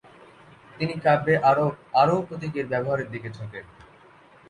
তিনি কাব্যে আরও আরও প্রতীকের ব্যবহারের দিকে ঝোঁকেন।